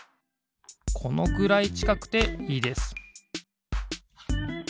このくらいちかくていいです